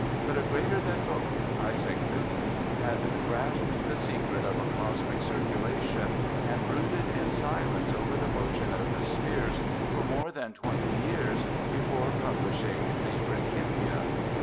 But a greater than both — Isaac Newton — had grasped the secret of a cosmic circulation, and brooded in silence over the motion of the spheres for more than twenty years before publishing the Principia.